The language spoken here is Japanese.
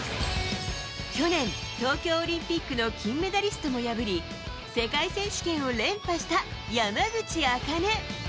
去年、東京オリンピックの金メダリストを破り、世界選手権を連覇した山口茜。